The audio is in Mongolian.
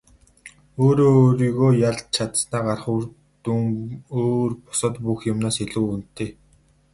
Өөрөө өөрийгөө ялж чадсанаа гарах үр дүн өөр бусад бүх юмнаас илүү үнэтэй.